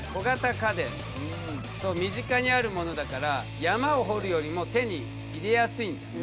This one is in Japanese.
身近にあるものだから山を掘るよりも手に入れやすいんだね。